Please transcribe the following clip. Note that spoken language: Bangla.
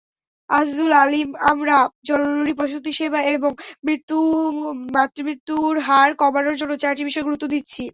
আজিজুল আলিমআমরা জরুরি প্রসূতিসেবা এবং মাতৃমৃত্যুর হার কমানোর জন্য চারটি বিষয়ে গুরুত্ব দিচ্ছি।